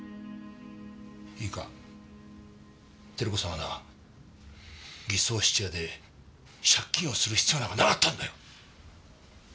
はな偽装質屋で借金をする必要なんかなかったんだよ。